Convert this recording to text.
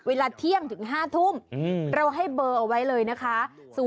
เวลาเที่ยงถึง๕ทุ่มเราให้เบอร์เอาไว้เลยนะคะ